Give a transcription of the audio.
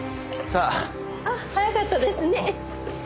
あっ早かったですね。